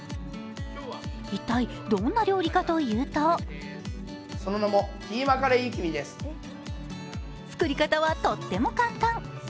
一体どんな料理かというと作り方はとっても簡単。